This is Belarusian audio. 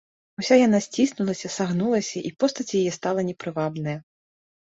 Уся яна сціснулася, сагнулася, і постаць яе стала непрывабная.